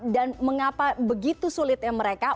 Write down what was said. dan mengapa begitu sulitnya mereka